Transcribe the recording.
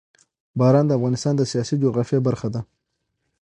باران د افغانستان د سیاسي جغرافیه برخه ده.